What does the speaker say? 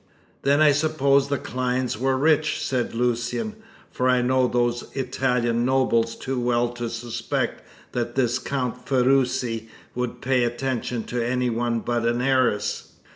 "Then I suppose the Clynes were rich," said Lucian, "for I know those Italian nobles too well to suspect that this Count Ferruci would pay attention to any one but an heiress."